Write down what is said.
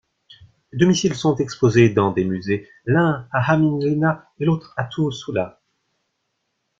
Deux missiles sont exposés dans des musées, l'un à Hämeenlinna et l'autre à Tuusula.